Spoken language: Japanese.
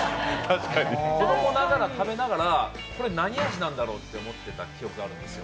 子供ながら、食べながら、これ何味なんだろうと思ってた記憶があるんですよ。